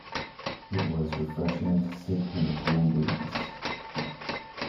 It was refreshing to sit in the cool breeze.